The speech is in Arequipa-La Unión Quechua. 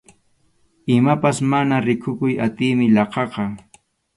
Imapas mana rikukuy atiymi laqhaqa.